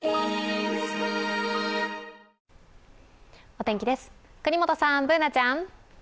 お天気です、國本さんＢｏｏｎａちゃん。